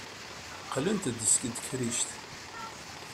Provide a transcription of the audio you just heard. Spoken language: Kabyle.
Qqlent-d seg tekrict.